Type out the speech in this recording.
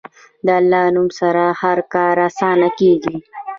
د الله نوم سره هر کار اسانه کېږي.